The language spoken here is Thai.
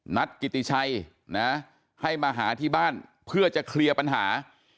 กิติชัยนะให้มาหาที่บ้านเพื่อจะเคลียร์ปัญหา